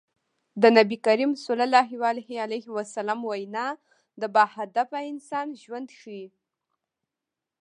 د نبي کريم ص وينا د باهدفه انسان ژوند ښيي.